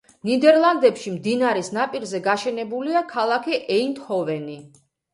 ნიდერლანდებში მდინარის ნაპირზე გაშენებულია ქალაქი ეინდჰოვენი.